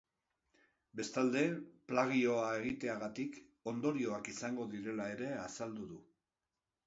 Bestalde, plagioa egiteagatik ondorioak izango direla ere azaldu du.